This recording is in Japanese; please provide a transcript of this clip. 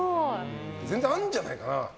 全然、あるんじゃないかな。